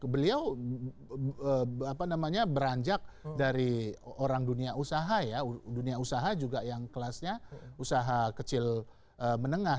beliau beranjak dari dunia usaha juga yang kelasnya usaha kecil menengah